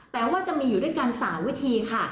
แต่ว่าจะมีอยู่ด้วยกัน๓วิธีค่ะ